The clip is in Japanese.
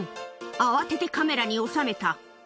慌ててカメラに収めた。